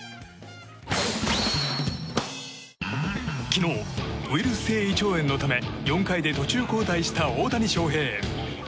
昨日、ウイルス性胃腸炎のため４回で途中交代した大谷翔平。